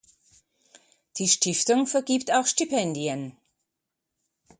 Die Stiftung vergibt auch Stipendien.